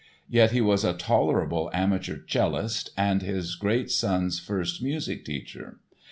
Yet he was a tolerable amateur cellist and his great son's first music teacher.